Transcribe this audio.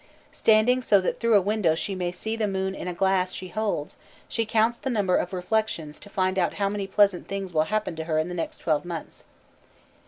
Standing so that through a window she may see the moon in a glass she holds, she counts the number of reflections to find out how many pleasant things will happen to her in the next twelve months.